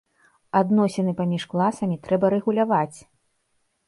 Адносіны паміж класамі трэба рэгуляваць.